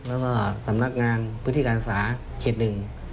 แล้วก็สำนักงานพื้นที่การอาศาเคล็ดหนึ่ง